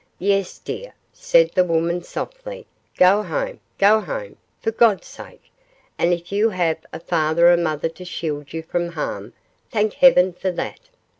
'Yes, dear,' said the woman, softly, 'go home; go home, for God's sake, and if you have a father and mother to shield you from harm, thank heaven for that.